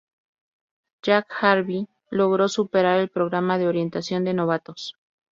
Jack Harvey logró superar el Programa de Orientación de Novatos.